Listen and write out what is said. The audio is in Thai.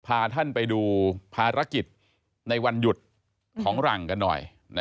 พาท่านไปดูภารกิจในวันหยุดของหลังกันหน่อย